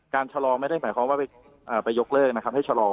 ชะลอไม่ได้หมายความว่าไปยกเลิกนะครับให้ชะลอ